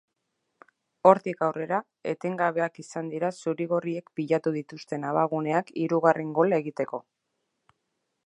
Hortik aurrera, etengabeak izan dira zuri-gorriek pilatu dituzten abaguneak hirugarren gola egiteko.